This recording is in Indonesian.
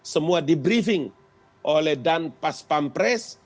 semua di briefing oleh dan pas pam pres